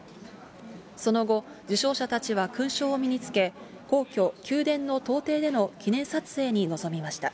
その後、受章者たちは勲章を身につけ、皇居・宮殿の東庭での記念撮影に臨みました。